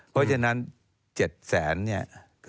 เพราะฉะนั้น๗แสนเนี่ย